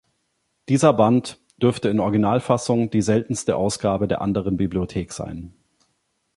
Dieser Band dürfte in Originalfassung die seltenste Ausgabe der "Anderen Bibliothek" sein.